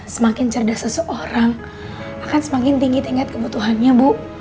semakin cerdas seseorang akan semakin tinggi tingkat kebutuhannya bu